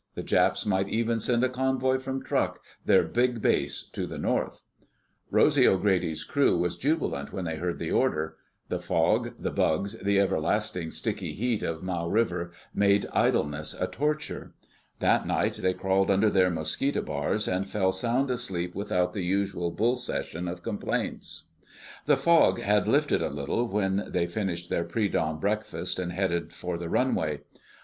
The Japs might even send a convoy from Truk, their big base to the north." Rosy O'Grady's crew was jubilant when they heard the order. The fog, the bugs, the everlasting sticky heat of Mau River made idleness a torture. That night they crawled under their mosquito bars and fell sound asleep without the usual "bull session" of complaints. The fog had lifted a little when they finished their pre dawn breakfast and headed for the runway.